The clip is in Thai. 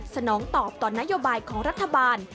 นองตอบต่อนโยบายของรัฐบาล